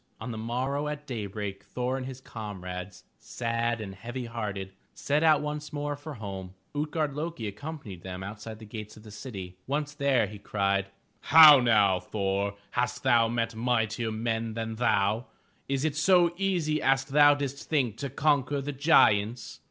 On the morrow at daybreak, Thor and his comrades, sad and heavy hearted, set out once more for home.' Ut'gard lo'ki accompanied them outside the gates of the city. Once there, he cried: "How now, Thor, hast thou met mightier men than thou? Is it so easy as thou didst think to conquer the giants?"